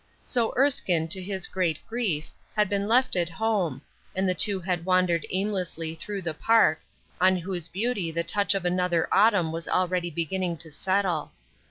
So Erskine, to his great grief, had been left at home, and the two had wandered aimlessly through the park, on whose beauty the touch of another autumn was already beginning to settle.